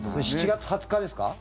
７月２０日ですか？